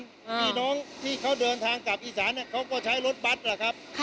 พี่น้องที่เขาเดินทางกลับอีสานเขาก็ใช้รถบัตรล่ะครับ